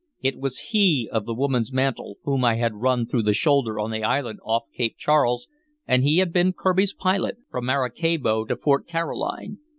It was he of the woman's mantle, whom I had run through the shoulder on the island off Cape Charles, and he had been Kirby's pilot from Maracaibo to Fort Caroline.